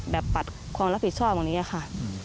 ปัดความรับผิดชอบตรงนี้ค่ะ